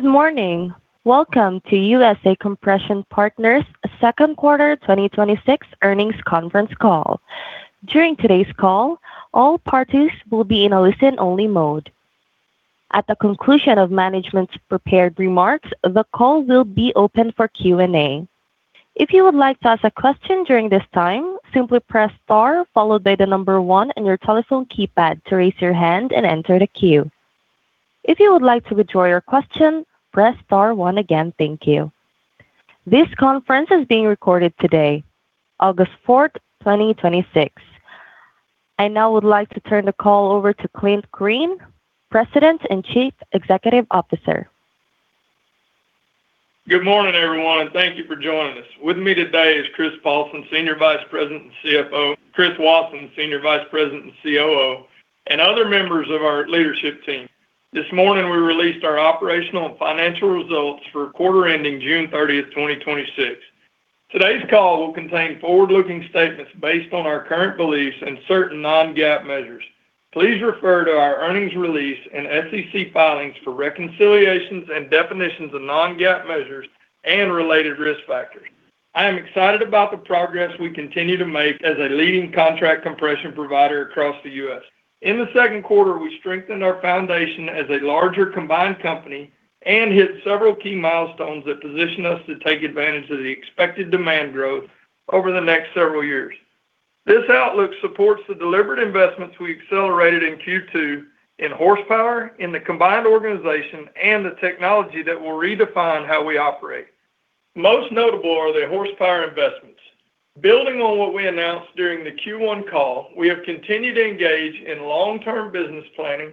Good morning. Welcome to USA Compression Partners second quarter 2026 earnings conference call. During today's call, all parties will be in a listen-only mode. At the conclusion of management's prepared remarks, the call will be open for Q&A. If you would like to ask a question during this time, simply press star followed by the number one on your telephone keypad to raise your hand and enter the queue. If you would like to withdraw your question, press star one again. Thank you. This conference is being recorded today, August 4th, 2026. I now would like to turn the call over to Clint Green, President and Chief Executive Officer. Good morning, everyone. Thank you for joining us. With me today is Chris Paulsen, Senior Vice President and CFO; Chris Wauson, Senior Vice President and COO; and other members of our leadership team. This morning, we released our operational and financial results for quarter ending June 30th, 2026. Today's call will contain forward-looking statements based on our current beliefs and certain non-GAAP measures. Please refer to our earnings release and SEC filings for reconciliations and definitions of non-GAAP measures and related risk factors. I am excited about the progress we continue to make as a leading contract compression provider across the U.S. In the second quarter, we strengthened our foundation as a larger combined company and hit several key milestones that position us to take advantage of the expected demand growth over the next several years. This outlook supports the deliberate investments we accelerated in Q2 in horsepower, in the combined organization, and the technology that will redefine how we operate. Most notable are the horsepower investments. Building on what we announced during the Q1 call, we have continued to engage in long-term business planning.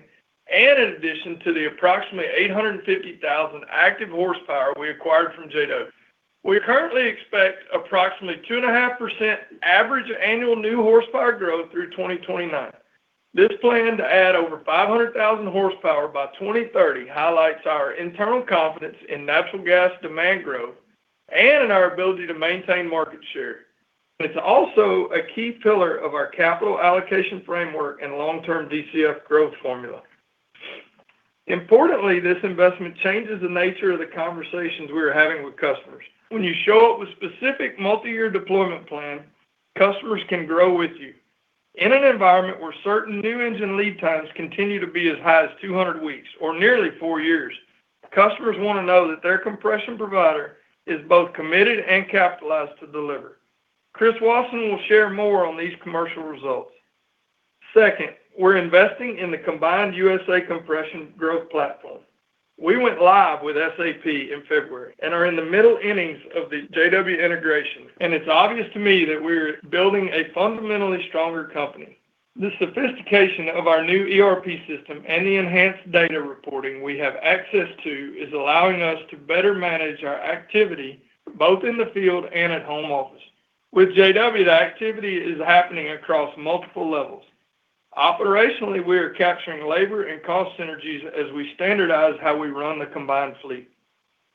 In addition to the approximately 850,000 active horsepower we acquired from J-W, we currently expect approximately 2.5% average annual new horsepower growth through 2029. This plan to add over 500,000 HP by 2030 highlights our internal confidence in natural gas demand growth and in our ability to maintain market share. It's also a key pillar of our capital allocation framework and long-term DCF growth formula. Importantly, this investment changes the nature of the conversations we are having with customers. When you show up with specific multi-year deployment plan, customers can grow with you. In an environment where certain new engine lead times continue to be as high as 200 weeks or nearly four years, customers want to know that their compression provider is both committed and capitalized to deliver. Chris Wauson will share more on these commercial results. Second, we're investing in the combined USA Compression growth platform. We went live with SAP in February and are in the middle innings of the J-W integration. It's obvious to me that we're building a fundamentally stronger company. The sophistication of our new ERP system and the enhanced data reporting we have access to is allowing us to better manage our activity both in the field and at home office. With J-W, the activity is happening across multiple levels. Operationally, we are capturing labor and cost synergies as we standardize how we run the combined fleet.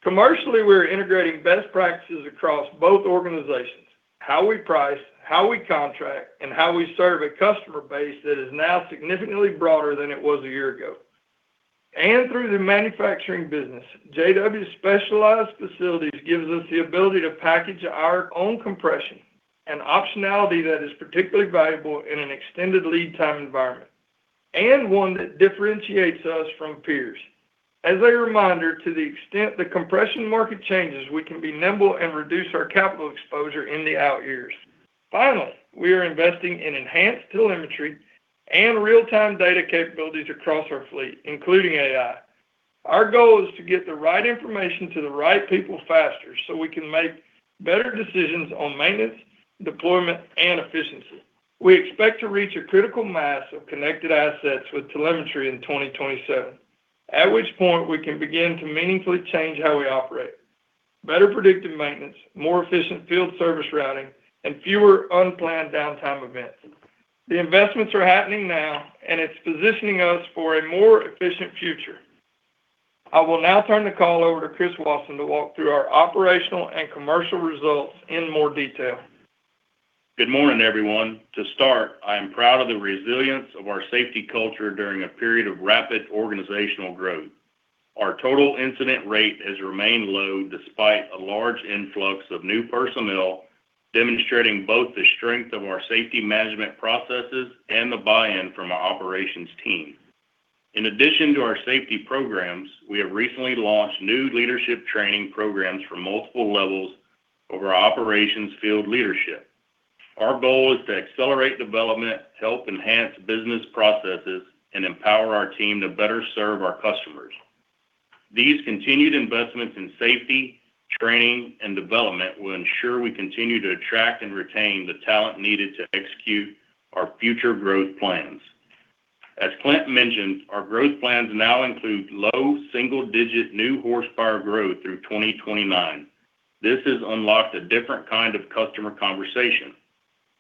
Commercially, we are integrating best practices across both organizations. How we price, how we contract, and how we serve a customer base that is now significantly broader than it was a year ago. Through the manufacturing business, J-W's specialized facilities gives us the ability to package our own compression and optionality that is particularly valuable in an extended lead time environment. One that differentiates us from peers. As a reminder, to the extent the compression market changes, we can be nimble and reduce our capital exposure in the out years. Finally, we are investing in enhanced telemetry and real-time data capabilities across our fleet, including AI. Our goal is to get the right information to the right people faster so we can make better decisions on maintenance, deployment, and efficiency. We expect to reach a critical mass of connected assets with telemetry in 2027, at which point we can begin to meaningfully change how we operate: better predictive maintenance, more efficient field service routing, and fewer unplanned downtime events. The investments are happening now, and it's positioning us for a more efficient future. I will now turn the call over to Chris Wauson to walk through our operational and commercial results in more detail. Good morning, everyone. To start, I am proud of the resilience of our safety culture during a period of rapid organizational growth. Our total incident rate has remained low despite a large influx of new personnel, demonstrating both the strength of our safety management processes and the buy-in from our operations team. In addition to our safety programs, we have recently launched new leadership training programs for multiple levels over our operations field leadership. Our goal is to accelerate development, help enhance business processes, and empower our team to better serve our customers. These continued investments in safety, training, and development will ensure we continue to attract and retain the talent needed to execute our future growth plans. As Clint mentioned, our growth plans now include low single-digit new horsepower growth through 2029. This has unlocked a different kind of customer conversation.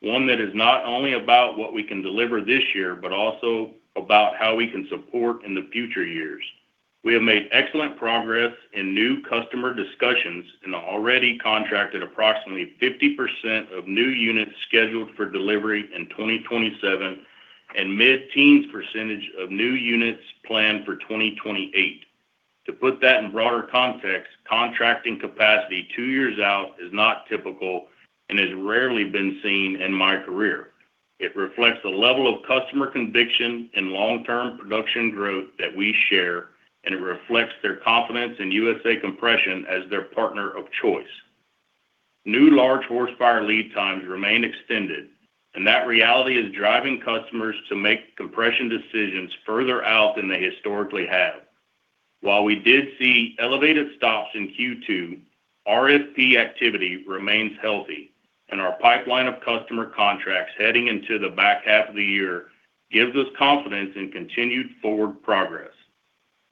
One that is not only about what we can deliver this year, but also about how we can support in the future years. We have made excellent progress in new customer discussions, and already contracted approximately 50% of new units scheduled for delivery in 2027, and mid-teens percentage of new units planned for 2028. To put that in broader context, contracting capacity two years out is not typical and has rarely been seen in my career. It reflects the level of customer conviction in long-term production growth that we share, and it reflects their confidence in USA Compression as their partner of choice. New large horsepower lead times remain extended, and that reality is driving customers to make compression decisions further out than they historically have. While we did see elevated stops in Q2, RFP activity remains healthy, and our pipeline of customer contracts heading into the back half of the year gives us confidence in continued forward progress.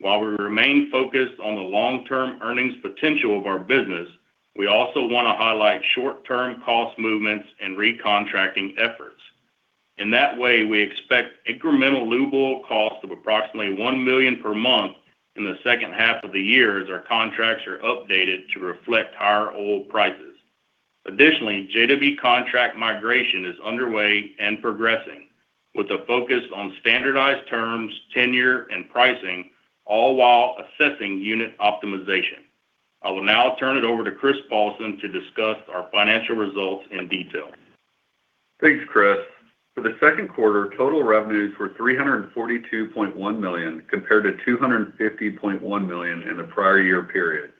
While we remain focused on the long-term earnings potential of our business, we also want to highlight short-term cost movements and recontracting efforts. In that way, we expect incremental lube oil cost of approximately $1 million per month in the second half of the year as our contracts are updated to reflect higher oil prices. Additionally, J-W contract migration is underway and progressing with a focus on standardized terms, tenure, and pricing, all while assessing unit optimization. I will now turn it over to Chris Paulsen to discuss our financial results in detail. Thanks, Chris. For the second quarter, total revenues were $342.1 million compared to $250.1 million in the prior year period,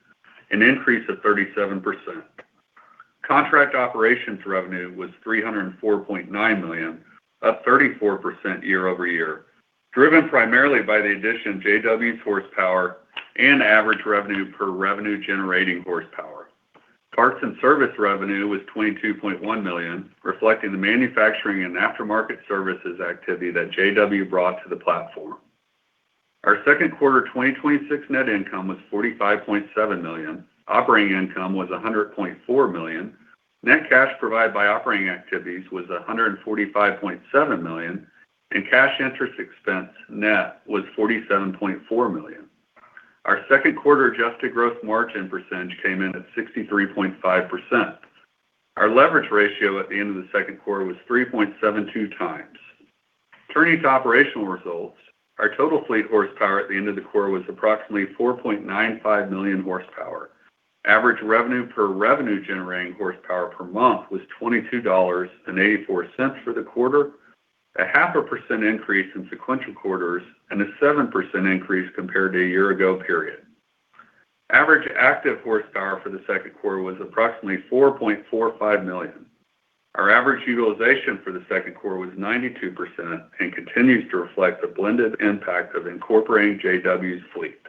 an increase of 37%. Contract operations revenue was $304.9 million, up 34% year-over-year, driven primarily by the addition of J-W's horsepower and average revenue per revenue-generating horsepower. Parts and service revenue was $22.1 million, reflecting the manufacturing and aftermarket services activity that J-W brought to the platform. Our second quarter 2026 net income was $45.7 million. Operating income was $100.4 million. Net cash provided by operating activities was $145.7 million, and cash interest expense net was $47.4 million. Our second quarter adjusted gross margin percentage came in at 63.5%. Our leverage ratio at the end of the second quarter was 3.72x. Turning to operational results, our total fleet horsepower at the end of the quarter was approximately 4.95 million horsepower. Average revenue per revenue-generating horsepower per month was $22.84 for the quarter, a half a percent increase in sequential quarters, and a 7% increase compared to a year ago period. Average active horsepower for the second quarter was approximately 4.45 million. Our average utilization for the second quarter was 92% and continues to reflect the blended impact of incorporating J-W's fleet.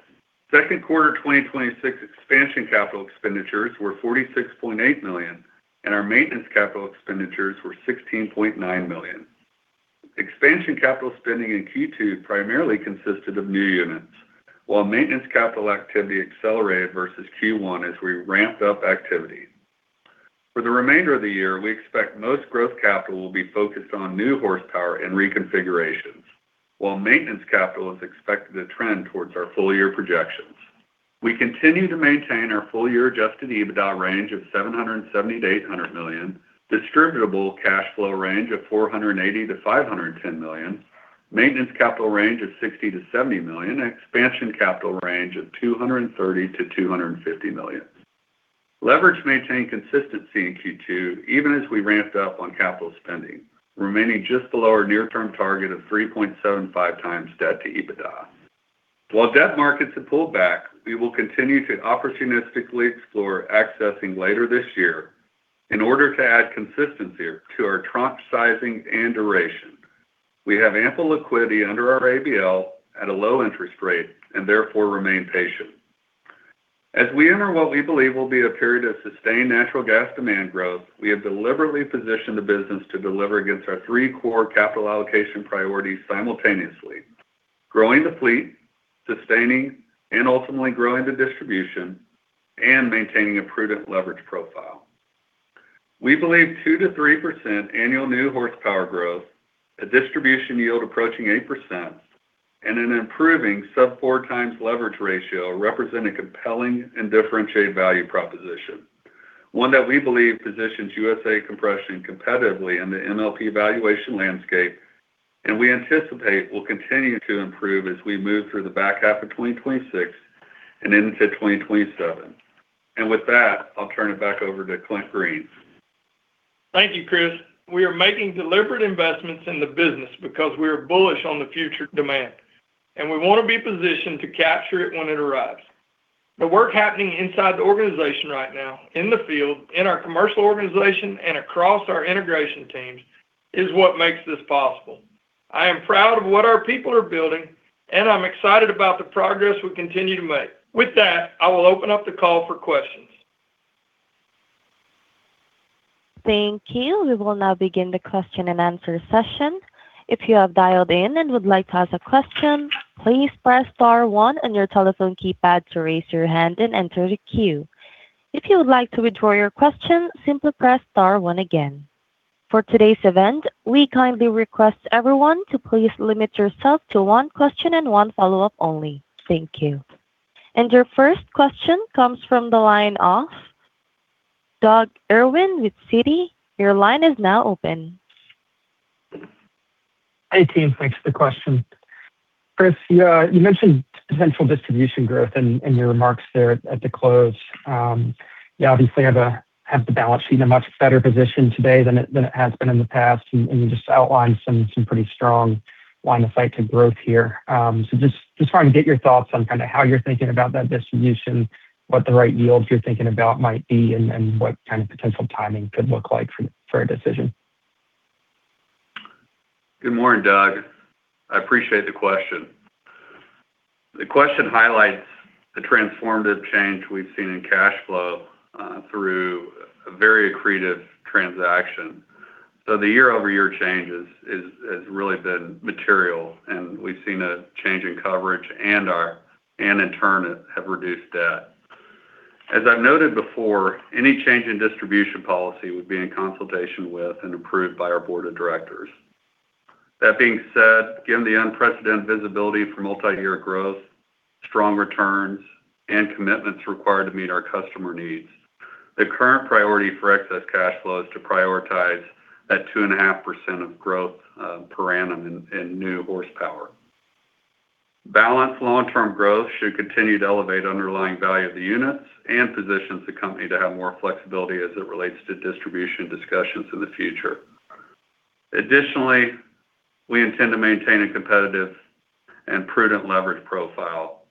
Second quarter 2026 expansion capital expenditures were $46.8 million, and our maintenance capital expenditures were $16.9 million. Expansion capital spending in Q2 primarily consisted of new units, while maintenance capital activity accelerated versus Q1 as we ramped up activity. For the remainder of the year, we expect most growth capital will be focused on new horsepower and reconfigurations, while maintenance capital is expected to trend towards our full-year projections. We continue to maintain our full-year adjusted EBITDA range of $770 million-$800 million, distributable cash flow range of $480 million-$510 million, maintenance capital range of $60 million-$70 million, and expansion capital range of $230 million-$250 million. Leverage maintained consistency in Q2, even as we ramped up on capital spending, remaining just below our near-term target of 3.75x debt to EBITDA. While debt markets have pulled back, we will continue to opportunistically explore accessing later this year in order to add consistency to our tranche sizing and duration. We have ample liquidity under our ABL at a low interest rate and therefore remain patient. As we enter what we believe will be a period of sustained natural gas demand growth, we have deliberately positioned the business to deliver against our three core capital allocation priorities simultaneously: growing the fleet, sustaining and ultimately growing the distribution, and maintaining a prudent leverage profile. We believe 2%-3% annual new horsepower growth, a distribution yield approaching 8%, and an improving sub-4x leverage ratio represent a compelling and differentiated value proposition, one that we believe positions USA Compression competitively in the MLP valuation landscape and we anticipate will continue to improve as we move through the back half of 2026 and into 2027. With that, I'll turn it back over to Clint Green. Thank you, Chris. We are making deliberate investments in the business because we are bullish on the future demand, and we want to be positioned to capture it when it arrives. The work happening inside the organization right now, in the field, in our commercial organization, and across our integration teams, is what makes this possible. I am proud of what our people are building, and I'm excited about the progress we continue to make. With that, I will open up the call for questions. Thank you. We will now begin the question-and-answer session. If you have dialed in and would like to ask a question, please press star one on your telephone keypad to raise your hand and enter the queue. If you would like to withdraw your question, simply press star one again. For today's event, we kindly request everyone to please limit yourself to one question and one follow-up only. Thank you. Your first question comes from the line of Doug Irwin with Citi, your line is now open. Hey, team. Thanks for the question. Chris, you mentioned potential distribution growth in your remarks there at the close. You obviously have the balance sheet in a much better position today than it has been in the past, and you just outlined some pretty strong line of sight to growth here. Just trying to get your thoughts on kind of how you're thinking about that distribution, what the right yields you're thinking about might be, and what kind of potential timing could look like for a decision? Good morning, Doug. I appreciate the question. The question highlights the transformative change we've seen in cash flow through a very accretive transaction. The year-over-year change has really been material. We've seen a change in coverage and in turn, have reduced debt. As I've noted before, any change in distribution policy would be in consultation with and approved by our Board of Directors. That being said, given the unprecedented visibility for multi-year growth, strong returns, and commitments required to meet our customer needs, the current priority for excess cash flow is to prioritize that 2.5% of growth per annum in new horsepower. Balanced long-term growth should continue to elevate underlying value of the units and positions the company to have more flexibility as it relates to distribution discussions in the future. Additionally, we intend to maintain a competitive and prudent leverage profile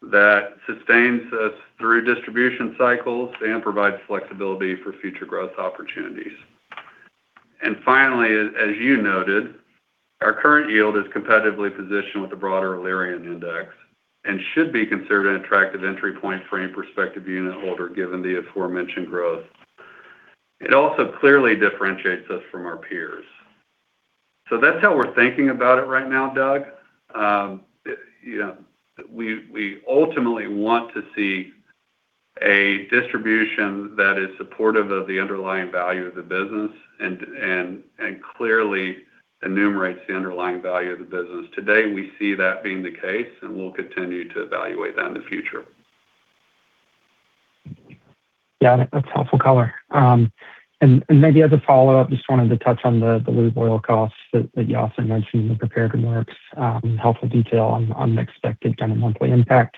that sustains us through distribution cycles and provides flexibility for future growth opportunities. Finally, as you noted, our current yield is competitively positioned with the broader Alerian Index and should be considered an attractive entry point for any prospective unitholder, given the aforementioned growth. It also clearly differentiates us from our peers. That's how we're thinking about it right now, Doug. We ultimately want to see a distribution that is supportive of the underlying value of the business and clearly enumerates the underlying value of the business. Today, we see that being the case, and we'll continue to evaluate that in the future. Got it. That's helpful color. Maybe as a follow-up, just wanted to touch on the lube oil costs that you also mentioned in the prepared remarks, helpful detail on the expected kind of monthly impact.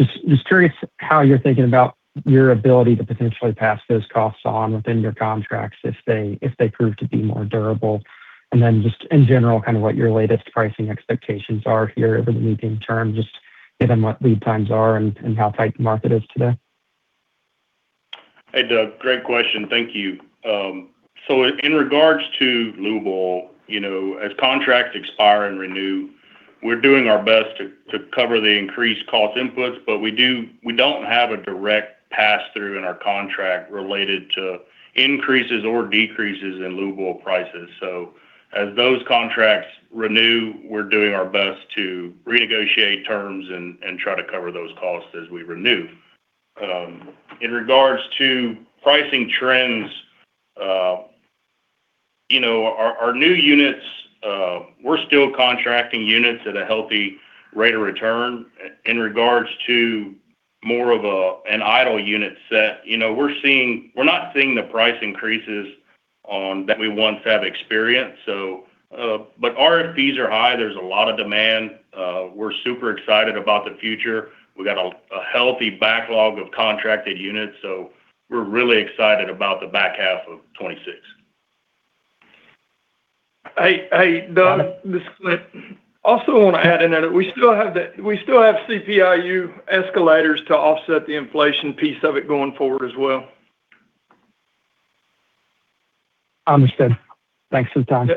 Just curious how you're thinking about your ability to potentially pass those costs on within your contracts if they prove to be more durable? Then just in general, kind of what your latest pricing expectations are here over the medium term, just given what lead times are and how tight the market is today? Hey, Doug. Great question. Thank you. In regards to lube oil, as contracts expire and renew, we're doing our best to cover the increased cost inputs, but we don't have a direct pass-through in our contract related to increases or decreases in lube oil prices. As those contracts renew, we're doing our best to renegotiate terms and try to cover those costs as we renew. In regards to pricing trends, our new units, we're still contracting units at a healthy rate of return. In regards to more of an idle unit set, we're not seeing the price increases on that we once have experienced. RFPs are high. There's a lot of demand. We're super excited about the future. We've got a healthy backlog of contracted units, we're really excited about the back half of 2026. Hey, Doug. This is Clint. Want to add in there that we still have CPI-U escalators to offset the inflation piece of it going forward as well. Understood. Thanks for the time.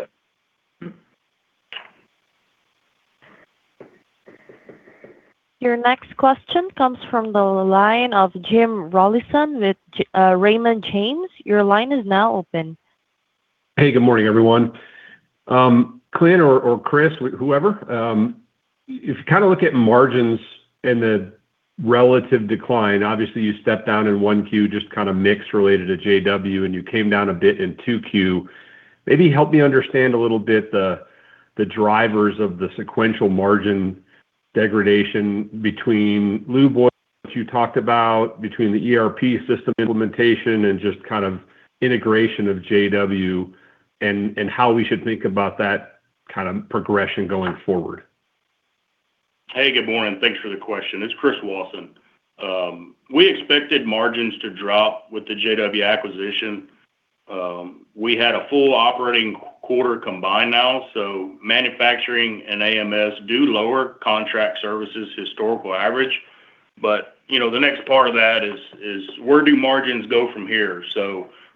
Yeah. Your next question comes from the line of Jim Rollyson with Raymond James. Your line is now open. Hey, good morning, everyone. Clint or Chris, whoever. You kind of look at margins and the relative decline, obviously you stepped down in 1Q, just kind of mix related to J-W. You came down a bit in 2Q. Maybe help me understand a little bit the drivers of the sequential margin degradation between lube oils that you talked about, between the ERP system implementation, and just kind of integration of J-W, and how we should think about that kind of progression going forward? Hey, good morning. Thanks for the question. It's Chris Wauson. We expected margins to drop with the J-W acquisition. We had a full operating quarter combined now, manufacturing and AMS do lower contract services historical average. The next part of that is: where do margins go from here?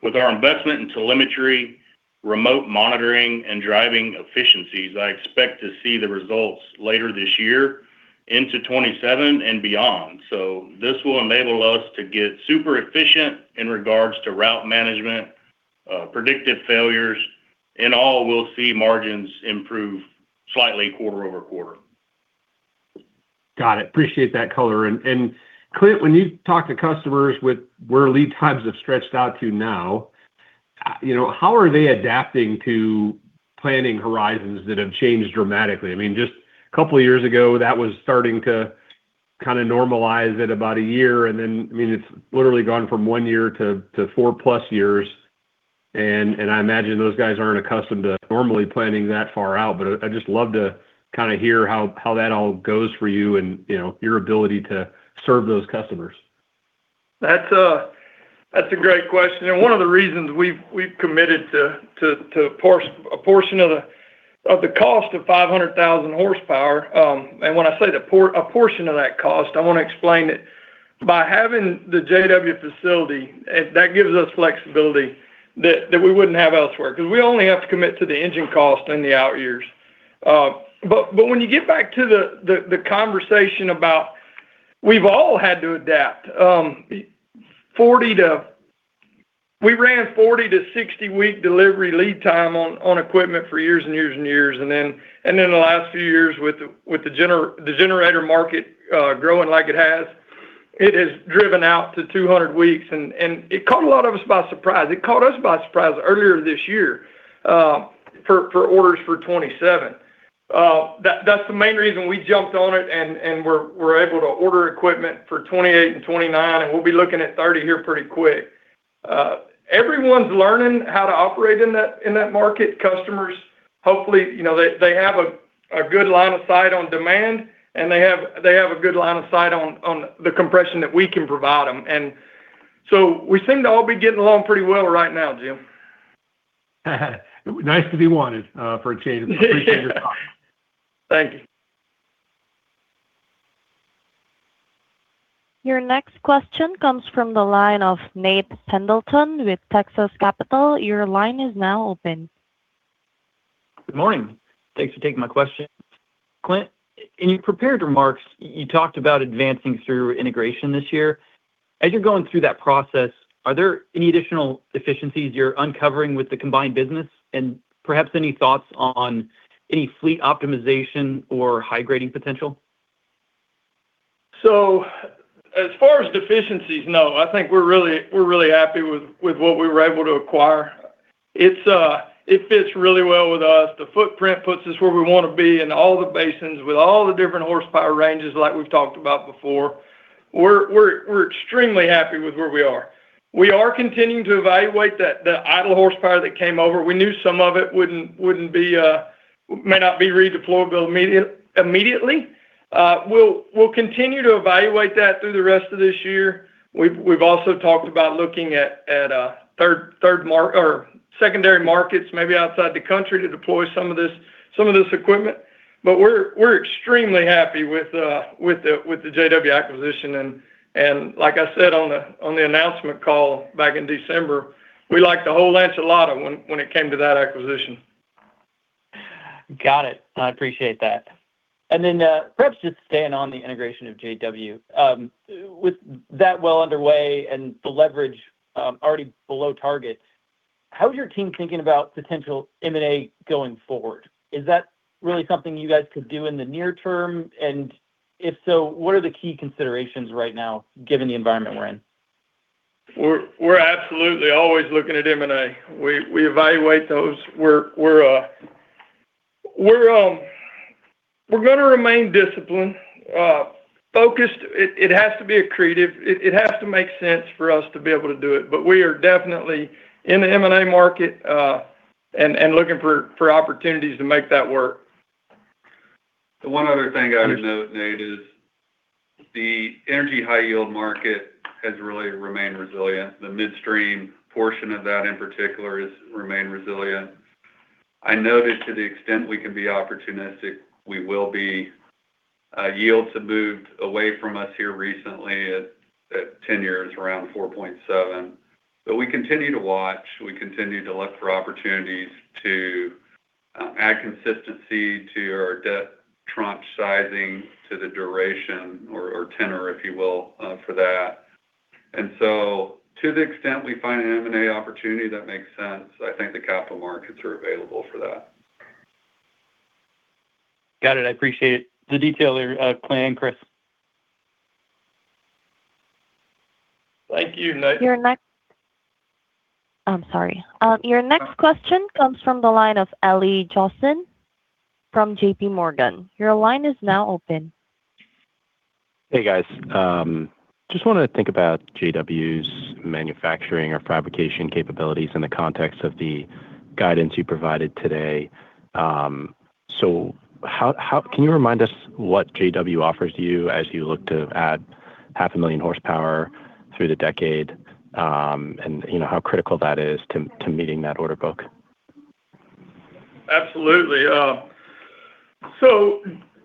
With our investment in telemetry, remote monitoring, and driving efficiencies, I expect to see the results later this year into 2027 and beyond. This will enable us to get super efficient in regards to route management, predictive failures. In all, we'll see margins improve slightly quarter-over-quarter. Got it. Appreciate that color. Clint, when you talk to customers with where lead times have stretched out to now, how are they adapting to planning horizons that have changed dramatically? Just a couple of years ago, that was starting to normalize at about a year, and then it's literally gone from one year to 4+ years. I imagine those guys aren't accustomed to normally planning that far out. I'd just love to hear how that all goes for you and your ability to serve those customers. That's a great question. One of the reasons we've committed to a portion of the cost of 500,000 HP. When I say a portion of that cost, I want to explain it. By having the J-W facility, that gives us flexibility that we wouldn't have elsewhere, because we only have to commit to the engine cost in the out years. When you get back to the conversation about we've all had to adapt. We ran 40- to 60-week delivery lead time on equipment for years and years and years. In the last few years with the generator market growing like it has, it has driven out to 200 weeks. It caught a lot of us by surprise. It caught us by surprise earlier this year for orders for 2027. That's the main reason we jumped on it, and we're able to order equipment for 2028 and 2029. We'll be looking at 2030 here pretty quick. Everyone's learning how to operate in that market. Customers, hopefully, they have a good line of sight on demand, and they have a good line of sight on the compression that we can provide them. We seem to all be getting along pretty well right now, Jim. Nice to be wanted for a change. I appreciate your time. Thank you. Your next question comes from the line of Nate Pendleton with Texas Capital. Your line is now open. Good morning. Thanks for taking my question. Clint, in your prepared remarks, you talked about advancing through integration this year. As you're going through that process, are there any additional deficiencies you're uncovering with the combined business? Perhaps any thoughts on any fleet optimization or high-grading potential? As far as deficiencies, no. I think we're really happy with what we were able to acquire. It fits really well with us. The footprint puts us where we want to be in all the basins with all the different horsepower ranges like we've talked about before. We're extremely happy with where we are. We are continuing to evaluate the idle horsepower that came over. We knew some of it may not be redeployable immediately. We'll continue to evaluate that through the rest of this year. We've also talked about looking at secondary markets, maybe outside the country, to deploy some of this equipment. We're extremely happy with the J-W acquisition. Like I said on the announcement call back in December, we liked the whole enchilada when it came to that acquisition. Got it. I appreciate that. Perhaps just staying on the integration of J-W. With that well underway and the leverage already below target, how is your team thinking about potential M&A going forward? Is that really something you guys could do in the near term? If so, what are the key considerations right now given the environment we're in? We're absolutely always looking at M&A. We evaluate those. We're going to remain disciplined, focused. It has to be accretive. It has to make sense for us to be able to do it. We are definitely in the M&A market and looking for opportunities to make that work. The one other thing I would note, Nate, is the energy high-yield market has really remained resilient. The midstream portion of that in particular has remained resilient. I noted to the extent we can be opportunistic, we will be. Yields have moved away from us here recently at 10 years, around 4.7x, but we continue to watch. We continue to look for opportunities to add consistency to our debt tranche sizing, to the duration or tenor, if you will, for that. To the extent we find an M&A opportunity that makes sense, I think the capital markets are available for that. Got it. I appreciate the detail there, Clint and Chris. Thank you, Nate. I'm sorry. Your next question comes from the line of Eli Jossen from JPMorgan. Your line is now open. Hey, guys. I just want to think about J-W's manufacturing or fabrication capabilities in the context of the guidance you provided today. Can you remind us what J-W offers you as you look to add 500,000 HP through the decade, and how critical that is to meeting that order book? Absolutely.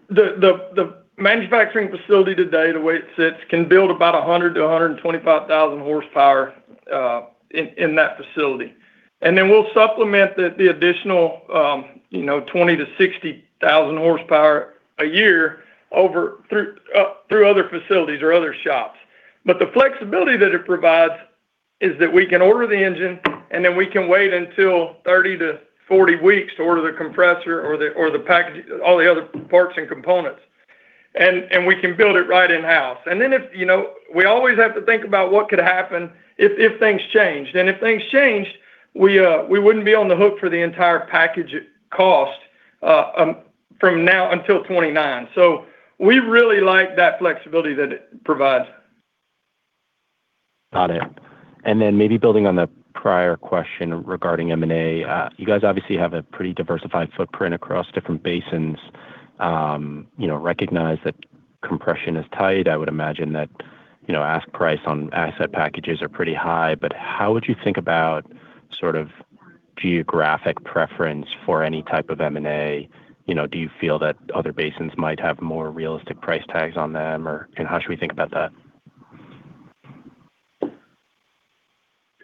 The manufacturing facility today, the way it sits, can build about 100,000 HP-125,000 HP in that facility. We'll supplement the additional 20,000 HP-60,000 HP a year through other facilities or other shops. The flexibility that it provides is that we can order the engine, we can wait until 30-40 weeks to order the compressor or all the other parts and components We can build it right in-house. We always have to think about what could happen if things changed. If things changed, we wouldn't be on the hook for the entire package cost from now until 2029. We really like that flexibility that it provides. Got it. Maybe building on the prior question regarding M&A. You guys obviously have a pretty diversified footprint across different basins, recognize that compression is tight. I would imagine that ask price on asset packages are pretty high. How would you think about geographic preference for any type of M&A? Do you feel that other basins might have more realistic price tags on them, and how should we think about that?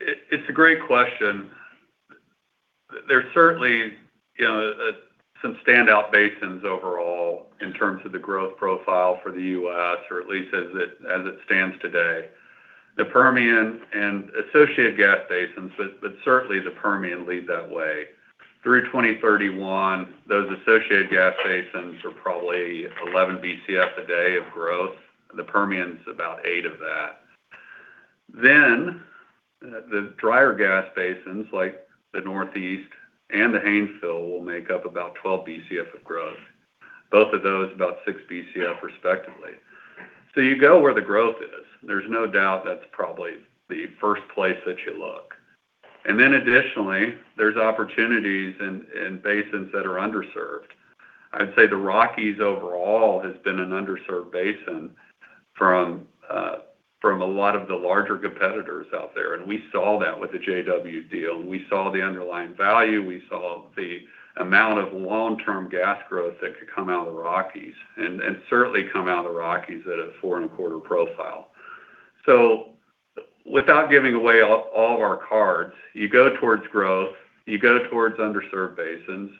It's a great question. There's certainly some standout basins overall in terms of the growth profile for the U.S. or at least as it stands today. The Permian and associated gas basins, but certainly the Permian leads that way. Through 2031, those associated gas basins are probably 11 Bcf a day of growth. The Permian's about 8 Bcf of that. The drier gas basins like the Northeast and the Haynesville will make up about 12 Bcf of growth. Both of those about 6 Bcf respectively. You go where the growth is. There's no doubt that's probably the first place that you look. Additionally, there's opportunities in basins that are underserved. I'd say the Rockies overall has been an underserved basin from a lot of the larger competitors out there, and we saw that with the J-W deal, and we saw the underlying value, we saw the amount of long-term gas growth that could come out of the Rockies, and certainly come out of the Rockies at a 4.25 Bcf a day profile. Without giving away all our cards, you go towards growth, you go towards underserved basins,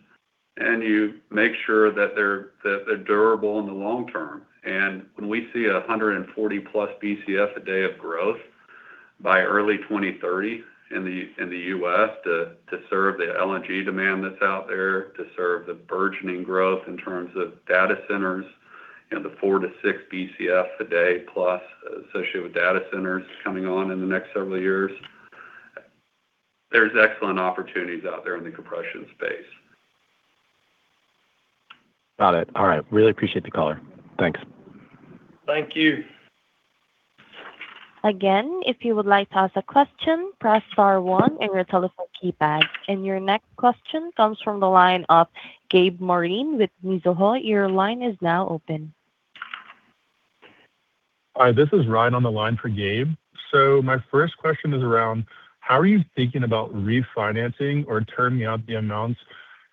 and you make sure that they're durable in the long term. When we see 140+ Bcf a day of demand by early 2030 in the U.S. to serve the LNG demand that's out there, to serve the burgeoning growth in terms of data centers and the 4 Bcf-6 Bcf a day plus associated with data centers coming on in the next several years. There's excellent opportunities out there in the compression space. Got it. All right. Really appreciate the color. Thanks. Thank you. Again, if you would like to ask a question, press star one on your telephone keypad. Your next question comes from the line of Gabe Moreen with Mizuho. Your line is now open. Hi, this is Ryan on the line for Gabe. My first question is around how are you thinking about refinancing or terming out the amounts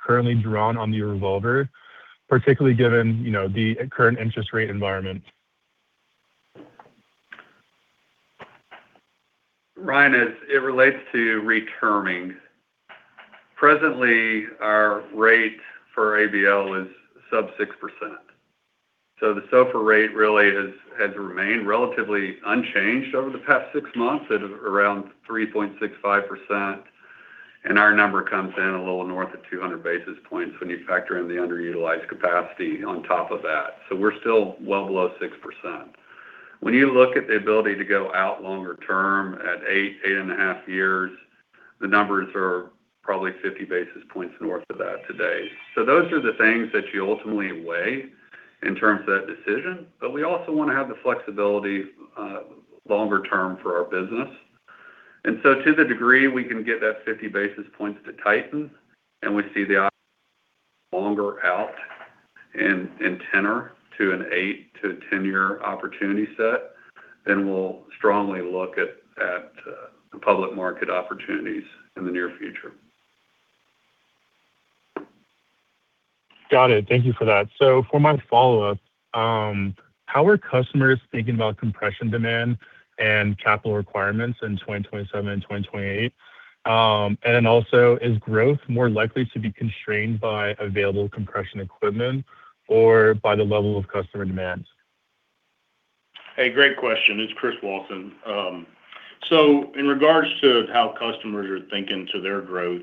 currently drawn on the revolver, particularly given the current interest rate environment? Ryan, as it relates to reterming, presently our rate for ABL is sub-6%. The SOFR rate really has remained relatively unchanged over the past six months at around 3.65%. Our number comes in a little north of 200 basis points when you factor in the underutilized capacity on top of that. We're still well below 6%. When you look at the ability to go out longer term at 8.5 years, the numbers are probably 50 basis points north of that today. Those are the things that you ultimately weigh in terms of that decision. We also want to have the flexibility longer term for our business. To the degree we can get that 50 basis points to tighten and we see the opportunity longer out in tenor to an 8- to 10-year opportunity set, then we'll strongly look at the public market opportunities in the near future. Got it. Thank you for that. For my follow-up, how are customers thinking about compression demand and capital requirements in 2027 and 2028? Then also, is growth more likely to be constrained by available compression equipment or by the level of customer demand? Hey, great question. It's Chris Wauson. In regards to how customers are thinking to their growth,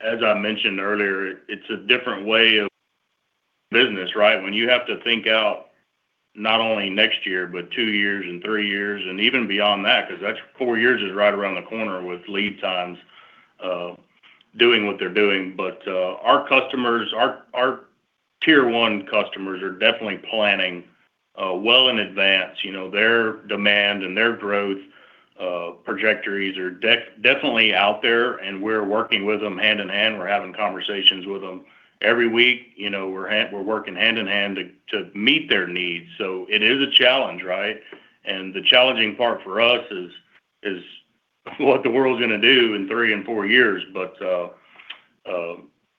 as I mentioned earlier, it's a different way of business, right? When you have to think out not only next year, but two years and three years and even beyond that, because four years is right around the corner with lead times doing what they're doing. Our Tier 1 customers are definitely planning well in advance. Their demand and their growth trajectories are definitely out there, and we're working with them hand in hand. We're having conversations with them every week. We're working hand in hand to meet their needs. It is a challenge, right? The challenging part for us is what the world's going to do in three and four years.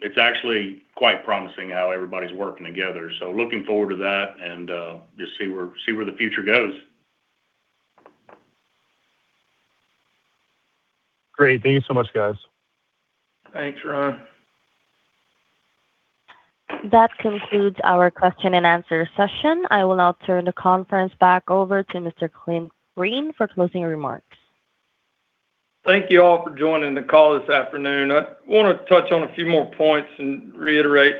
It's actually quite promising how everybody's working together. Looking forward to that and just see where the future goes. Great. Thank you so much, guys. Thanks, Ryan. That concludes our question-and-answer session. I will now turn the conference back over to Mr. Clint Green for closing remarks. Thank you all for joining the call this afternoon. I want to touch on a few more points and reiterate.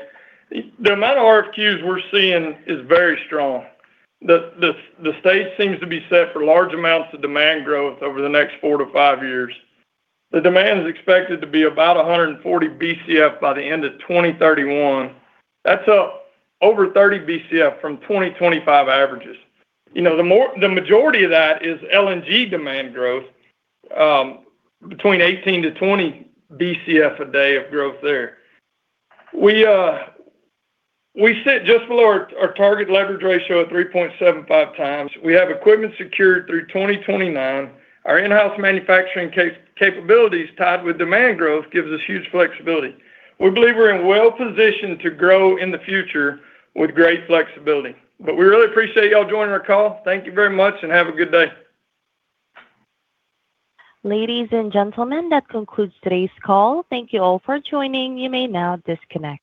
The amount of RFQs we're seeing is very strong. The stage seems to be set for large amounts of demand growth over the next four to five years. The demand is expected to be about 140 Bcf by the end of 2031. That's up over 30 Bcf from 2025 averages. The majority of that is LNG demand growth, between 18 Bcf-20 Bcf a day of growth there. We sit just below our target leverage ratio of 3.75x. We have equipment secured through 2029. Our in-house manufacturing capabilities tied with demand growth gives us huge flexibility. We really appreciate you all joining our call. Thank you very much and have a good day. Ladies and gentlemen, that concludes today's call. Thank you all for joining. You may now disconnect.